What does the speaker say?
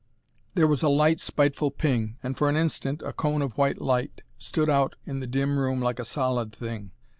There was a light, spiteful "ping" and for an instant a cone of white light stood out in the dim room like a solid thing.